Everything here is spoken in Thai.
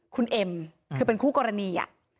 คุณเอ็มอืมคือเป็นคู่กรณีอ่ะ